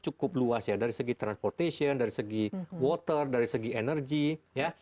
memang cukup luas ya dari segi transportation dari segi water dari segi energy